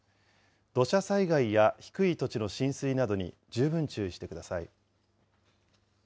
土砂災害や低い土地の浸水などに十分注意してください。